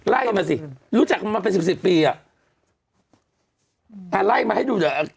ไล่มาสิรู้จักกันมาเป็นสิบสิบปีอ่ะอืมอ่าไล่มาให้ดูหน่อย